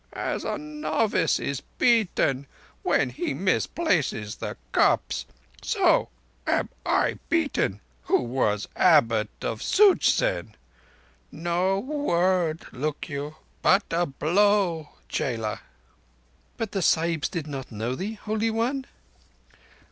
"As a novice is beaten when he misplaces the cups, so am I beaten, who was Abbot of Such zen. No word, look you, but a blow, chela." "But the Sahibs did not know thee, Holy One?"